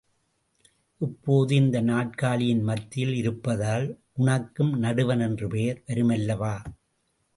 இப்போது இந்த நாற்காலியின் மத்தியில் இருப்பதால் உனக்கும் நடுவன் என்ற பெயர் வருமல்லவா?